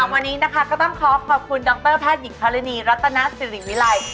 วันนี้นะคะก็ต้องขอขอบคุณดรแพทย์หญิงภารณีรัตนาสิริวิรัย